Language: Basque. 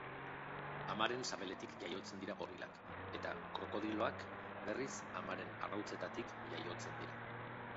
Amaren sabeletik jaiotzen dira gorilak eta krokodiloak, berriz, amaren arrautzetatik jaiotzen dira.